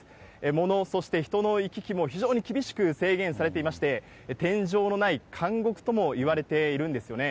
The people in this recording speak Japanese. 物、そして人の行き来も非常に厳しく制限されていまして、天井のない監獄ともいわれているんですよね。